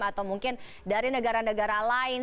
atau mungkin dari negara negara lain